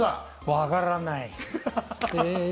わからない。